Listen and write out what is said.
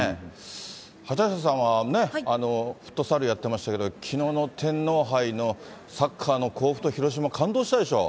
畑下さんは、フットサルやってましたけど、きのうの天皇杯のサッカーの甲府と広島、感動したでしょ。